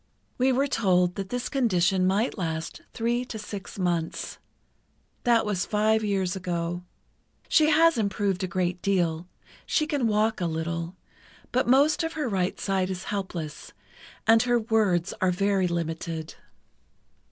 We were told that this condition might last three to six months. That was five years ago. She has improved a great deal; she can walk a little, but most of her right side is helpless, and her words are very limited.